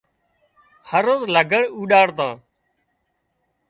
هروز لگھڙ اُوڏاڙتان